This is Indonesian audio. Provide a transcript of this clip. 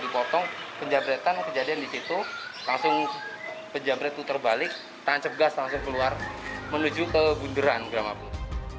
potong penjambretan kejadian di situ langsung penjambret itu terbalik tangan cepgas langsung keluar menuju ke bunderan gramapuri